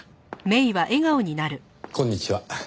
こんにちは。